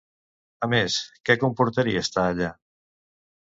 A més, què comportaria estar allà?